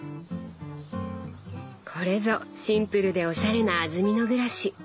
これぞシンプルでおしゃれな安曇野暮らし。